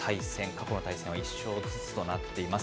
過去の対戦は１勝ずつとなっています。